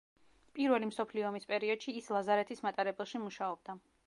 პირველი მსოფლიო ომის პერიოდში ის ლაზარეთის მატარებელში მუშაობდა.